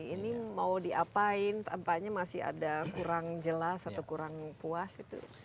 ini mau diapain tampaknya masih ada kurang jelas atau kurang puas gitu